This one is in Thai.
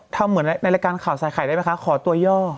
ทำเหมือนในรายการข่าวใส่ไข่ได้ไหมคะขอตัวย่อ